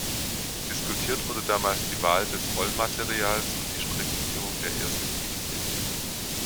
Diskutiert wurde damals die Wahl des Rollmaterials und die Streckenführung der ersten Linie.